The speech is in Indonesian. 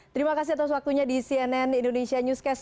terima kasih atas waktunya di cnn indonesia newscast